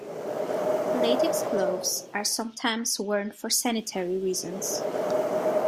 Latex gloves are sometimes worn for sanitary reasons.